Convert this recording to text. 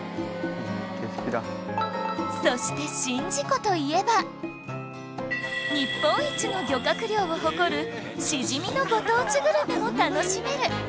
そして宍道湖といえば日本一の漁獲量を誇るしじみのご当地グルメも楽しめる！